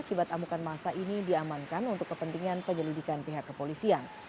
akibat amukan masa ini diamankan untuk kepentingan penyelidikan pihak kepolisian